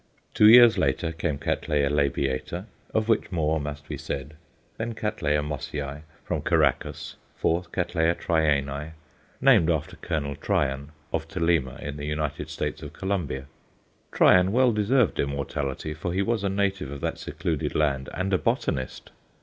Two years later came C. labiata, of which more must be said; then C. Mossiæ, from Caraccas; fourth, C. Trianæ named after Colonel Trian, of Tolima, in the United States of Colombia. Trian well deserved immortality, for he was a native of that secluded land and a botanist!